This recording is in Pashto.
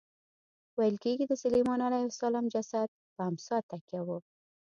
ویل کېږي د سلیمان علیه السلام جسد پر امسا تکیه و.